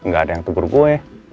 gak ada yang tegur kue